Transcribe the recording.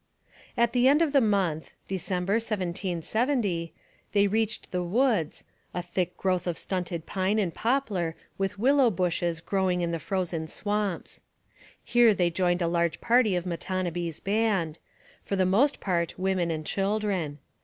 At the end of the month (December 1770), they reached the woods, a thick growth of stunted pine and poplar with willow bushes growing in the frozen swamps. Here they joined a large party of Matonabbee's band, for the most part women and children.